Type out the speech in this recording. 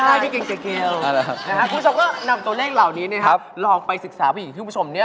คุณผู้ชมก็นำตัวเลขเหล่านี้ลองไปศึกษาผู้หญิงที่คุณผู้ชมเนี่ย